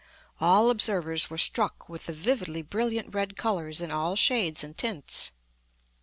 All observers were struck with the vividly brilliant red colours in all shades and tints.